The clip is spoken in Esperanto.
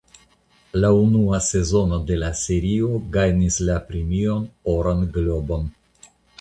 La unua sezono de la serio gajnis la Premion Oran Globon.